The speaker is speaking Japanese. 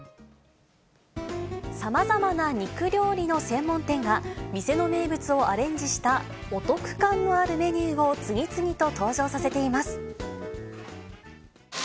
さまざまな肉料理の専門店が、店の名物をアレンジしたお得感のあるメニューを次々と登場させています。